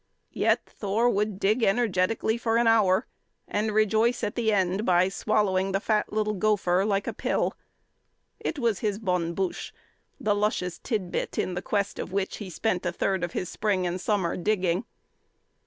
Yet Thor would dig energetically for an hour, and rejoice at the end by swallowing the fat little gopher like a pill; it was his bonne bouche, the luscious tidbit in the quest of which he spent a third of his spring and summer digging.